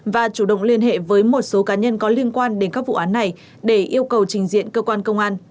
và chủ động liên hệ với một số cá nhân có liên quan đến các vụ án này để yêu cầu trình diện cơ quan công an